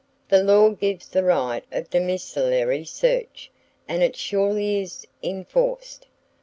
The law gives the right of domiciliary search, and it surely is enforced.